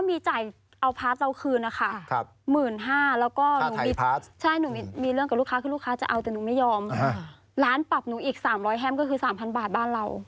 อีก๓๐๐แฮมก็คือ๓๐๐๐บาทบ้านเรา